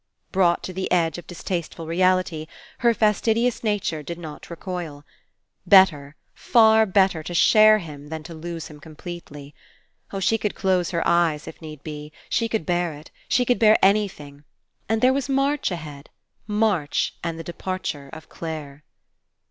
Brought to the edge of distaste ful reality, her fastidious nature did not recoil. 20I PASSING Better, far better, to share him than to lose him completely. Oh, she could close her eyes, if need be. She could bear it. She could bear any thing. And there was March ahead. March and the departure of Clare.